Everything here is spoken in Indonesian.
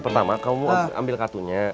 pertama kamu ambil kartunya